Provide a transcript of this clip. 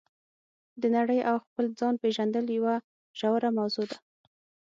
د نړۍ او خپل ځان پېژندل یوه ژوره موضوع ده.